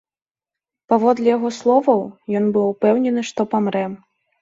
Паводле яго словаў, ён быў упэўнены, што памрэ.